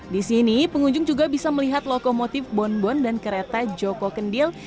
di sini pengunjung juga bisa melihat lokomotif bonbon dan kereta joko kendil